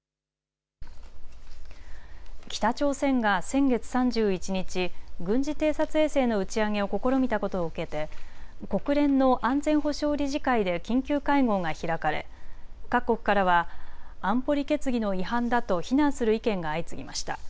北朝鮮が先月３１日、軍事偵察衛星の打ち上げを試みたことを受けて国連の安全保障理事会で緊急会合が開かれ各国からは安保理決議の違反だと非難する意見が相次ぎました。